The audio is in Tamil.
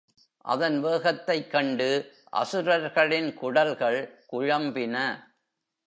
அதன் வேகத்தைக் கண்டு அசுரர்களின் குடல்கள் குழம்பின.